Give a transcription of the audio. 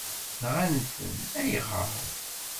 Nɣan-ten, ayɣer?